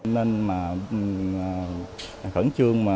nên khẩn trương